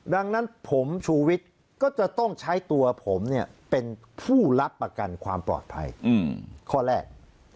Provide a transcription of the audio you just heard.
ดังนั้นผมชูวิทย์ก็จะต้องใช้ตัวผมเป็นผู้รับประกันความปลอดภัยข้อแรก